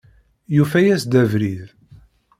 Yufa-yas-d abrid!